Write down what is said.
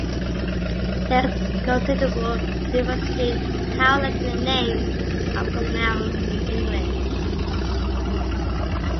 There is considerable diversity in how Latinate names are pronounced in English.